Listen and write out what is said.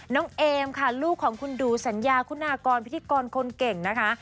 เอมค่ะลูกของคุณดูสัญญาคุณากรพิธีกรคนเก่งนะคะ